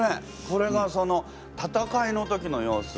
これがその戦いの時の様子。